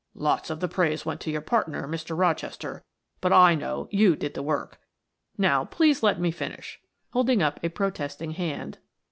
"Lots of the praise went to your partner, Mr. Rochester, but I know you did the work. Now, please let me finish," holding up a protesting hand.